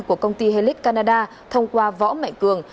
của công ty helic canada thông qua võ mạnh cường